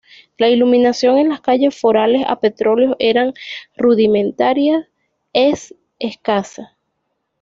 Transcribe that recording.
La iluminación en las calles faroles a petróleo era rudimentaria es escasa.